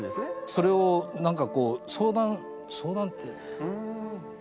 それを何かこう相談相談ってひどいですよね。